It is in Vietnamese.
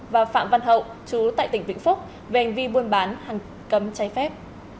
và phạm văn hậu chú tại tỉnh vĩnh phúc về hành vi buôn bán hàng cấm cháy phép